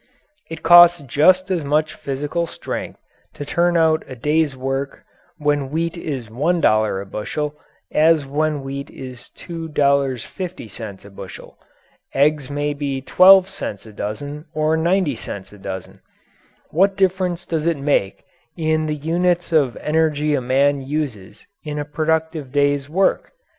It costs just as much physical strength to turn out a day's work when wheat is $1 a bushel, as when wheat is $2.50 a bushel. Eggs may be 12 cents a dozen or 90 cents a dozen. What difference does it make in the units of energy a man uses in a productive day's work?